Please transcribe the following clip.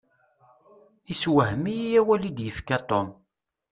Iswahem-iyi awal i d-yefka Tom.